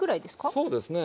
そうですね。